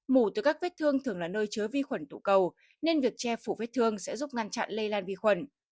mổ từ các vết thương thường là nơi chứa vi khuẩn tụ cầu nên việc che phủ vết thương sẽ giúp ngăn chặn lây lan vi khuẩn